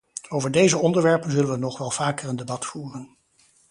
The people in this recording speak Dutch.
Over deze onderwerpen zullen we nog wel vaker een debat voeren.